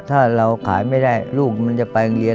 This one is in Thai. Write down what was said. ถ้าเราขายไม่ได้ลูกมันจะไปโรงเรียน